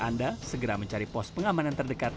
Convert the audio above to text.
anda segera mencari pos pengamanan terdekat